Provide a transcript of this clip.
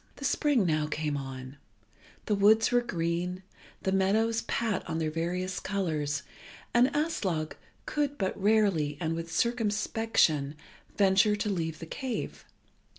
The spring now came on: the woods were green, the meadows pat on their various colours, and Aslog could but rarely, and with circumspection, venture to leave the cave.